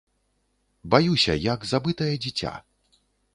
Баюся, як забытае дзіця.